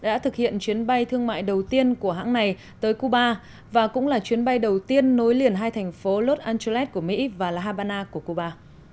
đã thực hiện chuyến bay thương mại đầu tiên của hãng này tới cuba và cũng là chuyến bay đầu tiên nối liền hai thành phố los angeles của mỹ và la habana của cuba